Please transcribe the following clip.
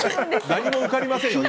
何も、受かりませんよ。